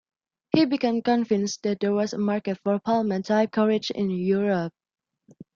He became convinced that there was a market for Pullman type carriages in Europe.